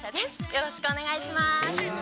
よろしくお願いします。